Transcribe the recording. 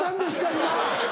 今。